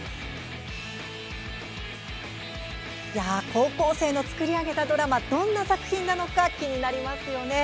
高校生の作り上げたドラマどんな作品なのか気になりますよね。